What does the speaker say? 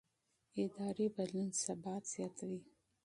اداري بدلون ثبات زیاتوي